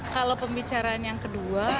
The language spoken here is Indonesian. kalau pembicaraan yang kedua